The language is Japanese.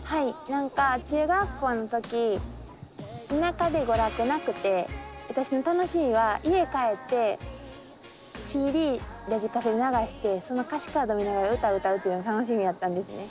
何か中学校の時田舎で娯楽なくて私の楽しみは家帰ってＣＤラジカセで流してその歌詞カード見ながら歌歌うっていうのが楽しみやったんですね。